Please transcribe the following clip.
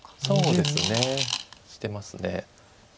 そうですねしてます。